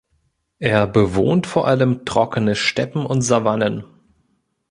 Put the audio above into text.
Er bewohnt vor allem trockene Steppen und Savannen.